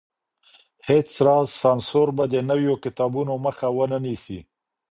هيڅ راز سانسور به د نويو کتابونو مخه ونه نيسي.